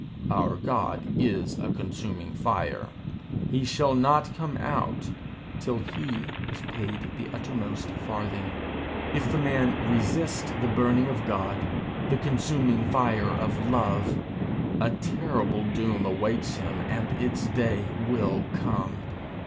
Our God is a consuming fire. He shall not come out till he has paid the uttermost farthing. If the man resists the burning of God, the consuming fire of Love, a terrible doom awaits him, and its day will come.